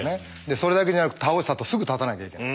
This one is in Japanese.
それだけではなく倒したあとすぐ立たなきゃいけない。